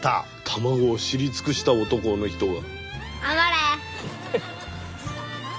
卵を知り尽くした男の人が。